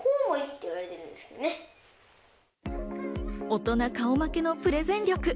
大人顔負けのプレゼン力。